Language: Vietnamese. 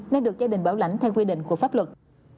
nên được gia đình bảo lãnh theo quy định của pháp luật